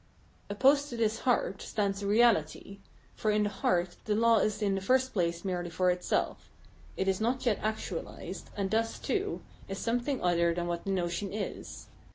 Opposed to this " heart " stands a reahty. For in the " heart " the law is in the first place merely for itself ; it is not yet actualised, and thus, too, is something other than what the notion is.